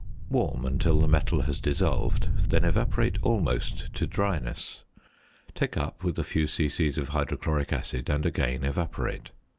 Warm until the metal has dissolved, then evaporate almost to dryness. Take up with a few c.c. of hydrochloric acid and again evaporate.